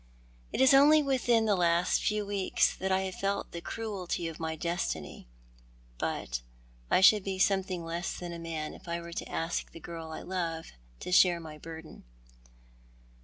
" It is only within the last few weeks that I have felt the cruelty of my destiny, — but I should be something less than a man if I were to ask the girl I love to share my burden."